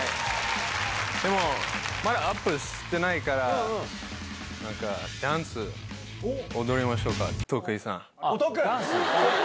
でも、まだアップしてないから、なんか、ダンス踊りましょうか、徳井さん。